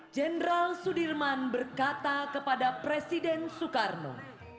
jenderal sudirman berkata kepada presiden soekarno